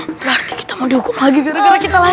berarti kita mau dogok lagi gara gara kita lari larian